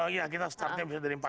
iya kita startnya bisa dari empat mei